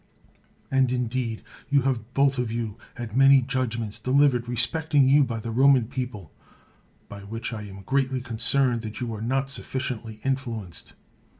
And, indeed, you have both of you had many judgments delivered respecting you by the Roman people, by which I am greatly concerned that you are not sufficiently influenced.